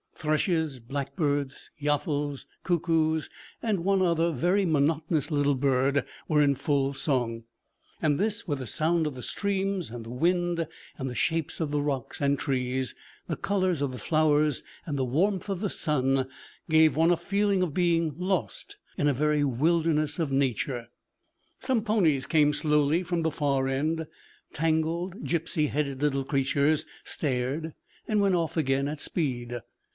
Thrushes, blackbirds, yaffles, cuckoos, and one other very monotonous little bird were in full song; and this, with the sound of the streams and the wind, and the shapes of the rocks and trees, the colors of the flowers, and the warmth of the sun, gave one a feeling of being lost in a very wilderness of nature. Some ponies came slowly from the far end, tangled, gypsy headed little creatures, stared, and went off again at speed.